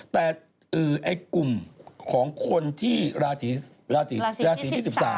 แต่กลุ่มของคนที่ราศีราศีที่๑๓